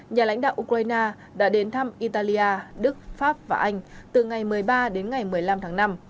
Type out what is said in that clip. nhà lãnh đạo ukraine đã đến thăm italia đức pháp và anh từ ngày một mươi ba đến ngày một mươi năm tháng năm